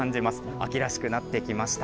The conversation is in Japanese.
秋らしくなってきました。